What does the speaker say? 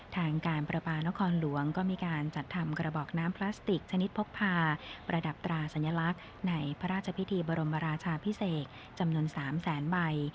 ทางการประปานครหลวงก็มีการจัดทำกระบอกน้ำพลาสติกชนิดพกพาประดับตราสัญลักษณ์ในพระราชพิธีบรมราชาพิเศษจำนวน๓แสนใบ